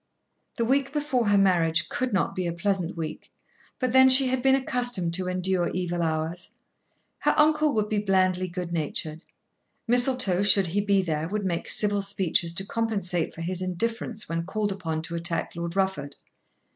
The week before her marriage could not be a pleasant week, but then she had been accustomed to endure evil hours. Her uncle would be blandly good natured. Mistletoe, should he be there, would make civil speeches to compensate for his indifference when called upon to attack Lord Rufford.